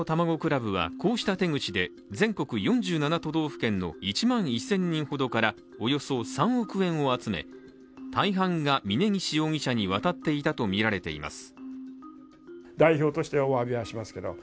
倶楽部は、こうした手口で全国４７都道府県の１万１０００人ほどからおよそ３億円を集め、大半が峯岸容疑者に渡っていたとみられています。